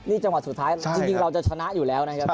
นี่จังหวะสุดท้ายจริงเราจะชนะอยู่แล้วนะครับ